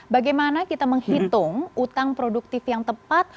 bagaimana kita menghitung utang produktif yang tepat